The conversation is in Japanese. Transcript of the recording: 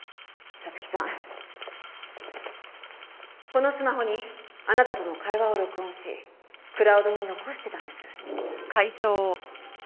このスマホにあなたとの会話を録音しクラウドに残してたんです。